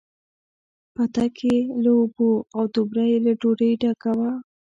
پتک یې له اوبو، او توبره یې له ډوډۍ ډکه وه.